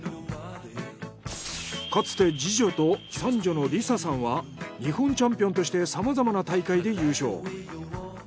かつて次女と三女の輪幸さんは日本チャンピオンとしてさまざまな大会で優勝。